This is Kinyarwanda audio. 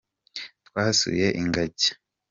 Twasuye ingagi.